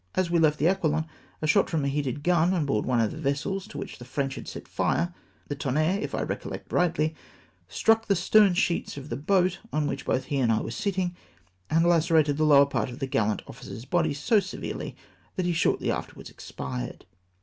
As we left the Aquilo7i a shot from a heated gun on board one of the vessels to which the French had set fire — the Tonnerre, if I recollect rightly — struck the stern sheets of the boat on which both he and I were sitting, and lacerated the lower part of the gallant officer's body so severely that he shortly afterwards expired.